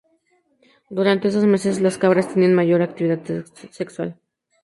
Durante esos meses las cabras tienen su mayor actividad sexual.